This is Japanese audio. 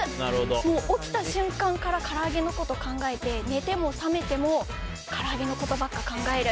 起きた瞬間からから揚げのことを考えて寝ても覚めてもから揚げのことばかり考える。